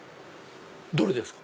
どれですか？